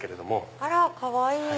あらかわいい！